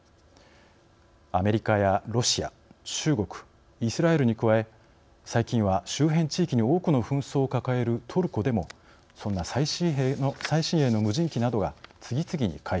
アメリカやロシア中国イスラエルに加え最近は周辺地域に多くの紛争を抱えるトルコでもそんな最新鋭の無人機などが次々に開発されています。